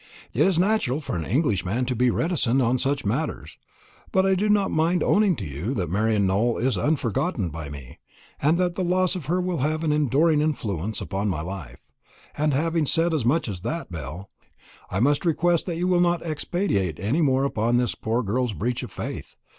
It is natural for an Englishman to be reticent on such matters; but I do not mind owning to you that Marian Nowell is unforgotten by me, and that the loss of her will have an enduring influence upon my life; and having said as much as that, Belle, I must request that you will not expatiate any more upon this poor girl's breach of faith.